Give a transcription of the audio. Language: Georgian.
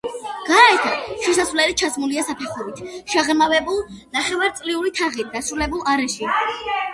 გარეთა შესასვლელი ჩასმულია საფეხურით შეღრმავებულ, ნახევარწრიული თაღით დასრულებულ არეში.